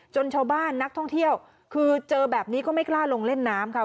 ชาวบ้านนักท่องเที่ยวคือเจอแบบนี้ก็ไม่กล้าลงเล่นน้ำค่ะ